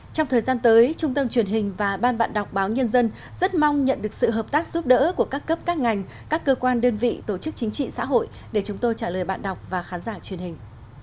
trong thời gian tới trung tâm truyền hình và ban bạn đọc báo nhân dân rất mong nhận được sự hợp tác giúp đỡ của các cấp các ngành các cơ quan đơn vị tổ chức chính trị xã hội để chúng tôi trả lời bạn đọc và khán giả truyền hình